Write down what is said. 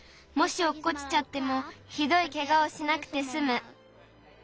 もしおっこちちゃってもひどいケガをしなくてすむ。